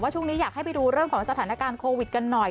ช่วงนี้อยากให้ไปดูเรื่องของสถานการณ์โควิดกันหน่อย